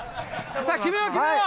さあ決めよう決めよう。